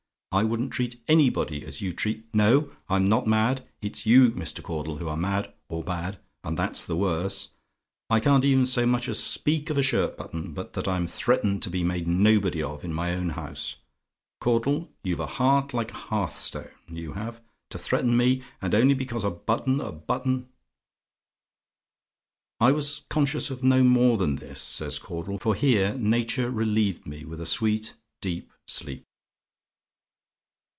I wouldn't treat anybody as you treat no, I'm not mad! It's you, Mr. Caudle, who are mad, or bad and that's worse! I can't even so much as speak of a shirt button, but that I'm threatened to be made nobody of in my own house! Caudle, you've a heart like a hearth stone, you have! To threaten me, and only because a button a button " "I was conscious of no more than this," says Caudle; "for here nature relieved me with a sweet, deep sleep."